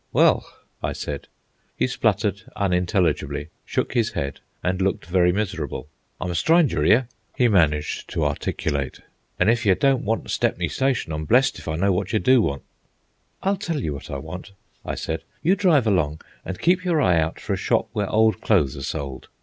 "Well," I said. He spluttered unintelligibly, shook his head, and looked very miserable. "I'm a strynger 'ere," he managed to articulate. "An' if yer don't want Stepney Station, I'm blessed if I know wotcher do want." "I'll tell you what I want," I said. "You drive along and keep your eye out for a shop where old clothes are sold.